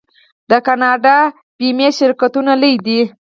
د کاناډا بیمې شرکتونه لوی دي.